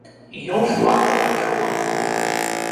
І ён шпарка пайшоў адгэтуль.